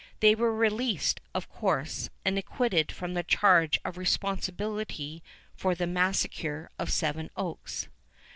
They were released, of course, and acquitted from the charge of responsibility for the massacre of Seven Oaks.